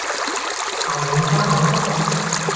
Schauen Sie in die Kamera!